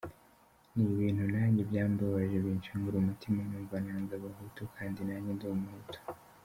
Ni ibintu nanjye byambabaje binshengura umutima, numva nanze abahutu kandi nanjye ndi umuhutu.